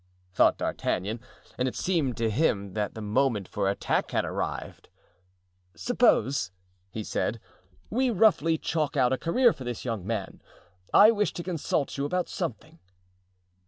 thought D'Artagnan, and it seemed to him that the moment for attack had arrived. "Suppose," he said, "we roughly chalk out a career for this young man. I wish to consult you about some thing."